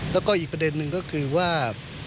แล้วก็อีกประเด็นหนึ่งก็คือว่า